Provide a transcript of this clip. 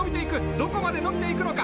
どこまで伸びていくのか。